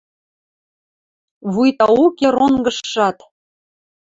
Вуйта уке ронгыжшат.